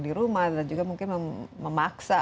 di rumah dan juga mungkin memaksa